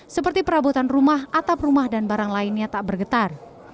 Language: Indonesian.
seperti perabotan rumah atap rumah dan barang lainnya tak bergetar